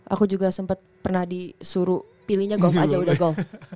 aku juga sempat pernah disuruh pilihnya golf aja udah golf